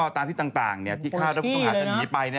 ตามที่ต่างที่คาดว่าผู้ต้องหาจะหนีไป